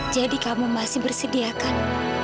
jadi kamu masih bersediakan